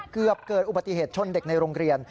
เกิดอุบัติเหตุชนเด็กในโรงเรียน